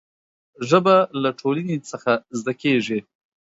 ژبه له ټولنې څخه زده کېږي.